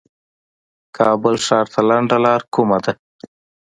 کابل ښار ته لنډه لار کومه ده